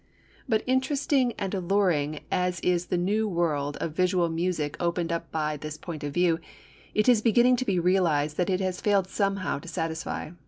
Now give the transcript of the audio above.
But interesting and alluring as is the new world of visual music opened up by this point of view, it is beginning to be realised that it has failed somehow to satisfy.